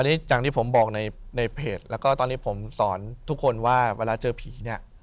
อันนี้อย่างที่ผมบอกในเพจแล้วก็ตอนนี้ผมสอนทุกคนว่าเวลาเจอผีเนี่ย